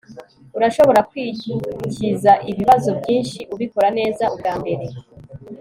Urashobora kwikiza ibibazo byinshi ubikora neza ubwambere